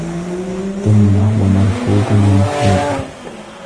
ثُمَّ هُوَ مَرْكُوبٌ وَمَحْلُوبٌ